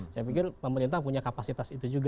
saya pikir pemerintah punya kapasitas itu juga